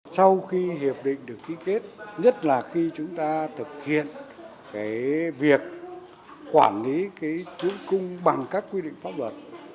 sau khi hiệp định được ký kết nhất là khi chúng ta thực hiện việc quản lý chuỗi cung bằng các quy định pháp luật